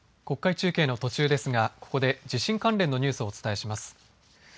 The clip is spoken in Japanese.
国会中継の途中ですがここで地震関連のニュースをお伝えします。